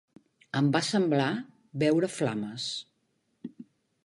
Em va semblar veure flames.